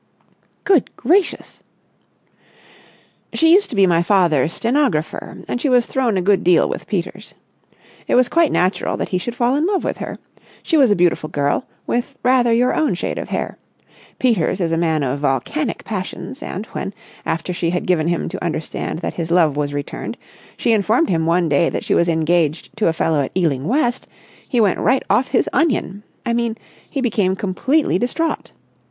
"Good gracious!" "She used to be my father's stenographer, and she was thrown a good deal with Peters. It was quite natural that he should fall in love with her. She was a beautiful girl, with rather your own shade of hair. Peters is a man of volcanic passions, and, when, after she had given him to understand that his love was returned, she informed him one day that she was engaged to a fellow at Ealing West, he went right off his onion—I mean, he became completely distraught.